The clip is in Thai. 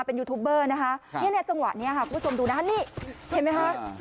เป็นยูทูปเบอร์นะฮะจังหวะนี้คุณผู้ชมดูนะนี่เห็นไหมฮะ